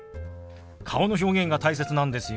顔の表現が大切なんですよ。